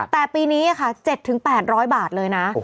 แต่ปีนี้ค่ะ๗๘๐๐บาทเลยนะ